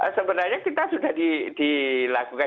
sebenarnya kita sudah dilakukan